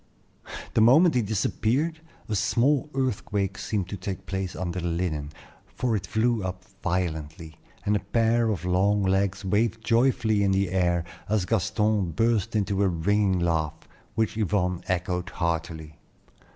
The moment he disappeared, a small earthquake seemed to take place under the linen, for it flew up violently, and a pair of long legs waved joyfully in the air as Gaston burst into a ringing laugh, which Yvonne echoed heartily.